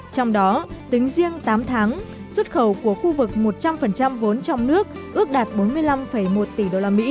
trong đó tính riêng tám tháng xuất khẩu của khu vực một trăm linh vốn trong nước ước đạt bốn mươi năm một tỷ usd